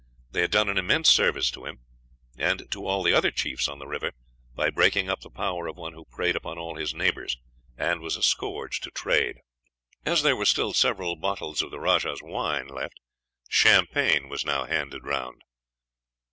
They had done an immense service to him, and to all the other chiefs on the river, by breaking up the power of one who preyed upon all his neighbors, and was a scourge to trade. As there were still several bottles of the rajah's wine left, champagne was now handed round.